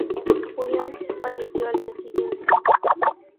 Williams falleció al día siguiente.